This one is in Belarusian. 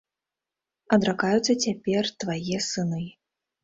Адракаюцца цяпер твае сыны.